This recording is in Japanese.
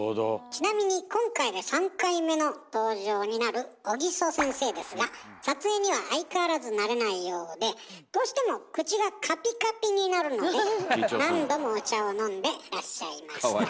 ちなみに今回で３回目の登場になる小木曽先生ですが撮影には相変わらず慣れないようでどうしても口がカピカピになるので何度もお茶を飲んでらっしゃいました。